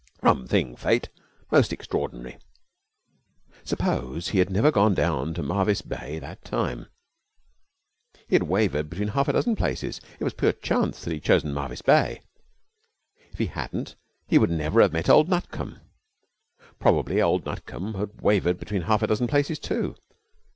Rum thing, Fate! Most extraordinary! Suppose he had never gone down to Marvis Bay that time. He had wavered between half a dozen places; it was pure chance that he had chosen Marvis Bay. If he hadn't he would never have met old Nutcombe. Probably old Nutcombe had wavered between half a dozen places too.